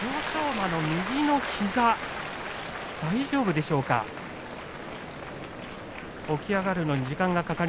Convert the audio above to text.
馬の右の膝、大丈夫でしょうか。